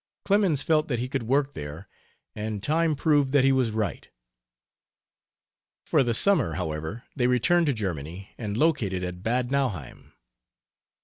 Clemens felt that he could work there, and time proved that he was right. For the summer, however, they returned to Germany, and located at Bad Nauheim.